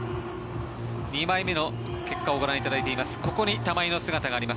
２枚目の結果をご覧いただいています